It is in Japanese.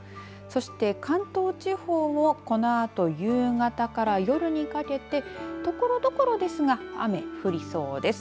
そして関東地方もこのあと夕方から夜にかけて所々ですが雨、降りそうです。